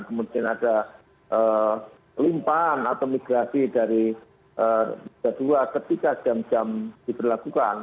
kemudian ada limpaan atau migrasi dari kedua ketiga jam jam diperlakukan